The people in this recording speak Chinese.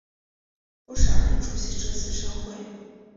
不少人出席这次盛会。